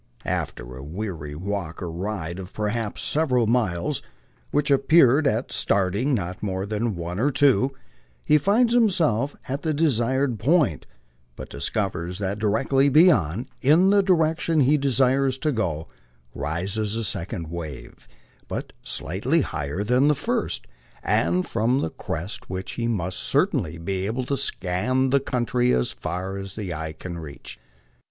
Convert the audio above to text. After a weary walk or ride of perhaps several miles, which appeared at starting not more than one or two, he finds him self nt the desired point, but discovers that directly beyond, in the direction he desires to go, rises a second wave, but slightly higher than the first, and MY LIFE ON THE PLAINS. 7 from the crest of which he must certainly be able to scan the country as far as the eye can reach.